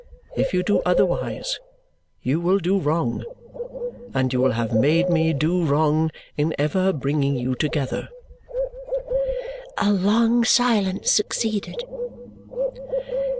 If you do otherwise, you will do wrong, and you will have made me do wrong in ever bringing you together." A long silence succeeded.